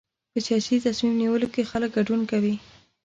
په سیاسي تصمیم نیولو کې خلک ګډون کوي.